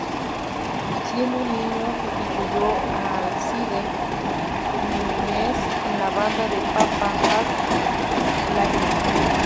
Siendo un niño, sustituyó a Alcide Núñez en la banda de Papa Jack Laine.